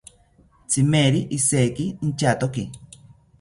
Tzimeri ijeki inchatoki